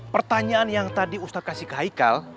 pertanyaan yang tadi ustadz kasih ke haikal